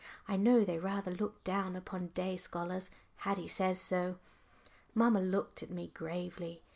I know they rather look down upon day scholars Haddie says so." Mamma looked at me gravely.